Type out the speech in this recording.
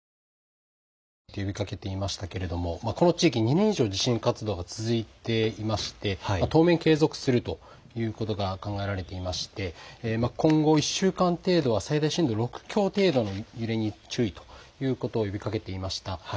先ほど気象庁も記者会見を開いて呼びかけていましたけれどもこの地域、２年以上、地震活動が続いていまして当面継続するということが考えられていまして今後１週間程度は最大震度６強程度の揺れに注意ということを呼びかけていました。